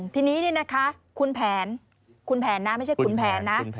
ทีนี้เนี่ยนะคะคุณแผนคุณแผนนะไม่ใช่คุณแผนนะ